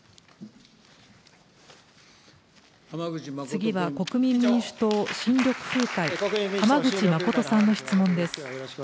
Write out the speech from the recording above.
次は国民民主党・新緑風会、浜口誠さんの質問です。